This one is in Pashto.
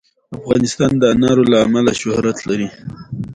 افغانستان د انار له امله شهرت لري.